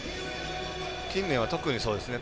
近年は特にそうですね。